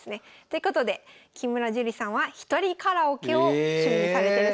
ということで木村朱里さんは一人カラオケを趣味にされてるそうです。